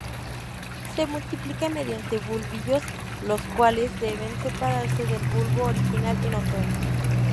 Se multiplica mediante bulbillos, los cuales deben separarse del bulbo original en otoño.